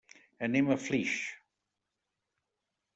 Anem a Flix.